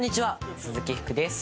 鈴木福です。